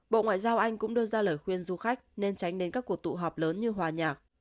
bộ ngoại giao anh cũng đưa ra lời khuyên du khách nên tránh đến các cuộc tụ họp lớn như hòa nhạc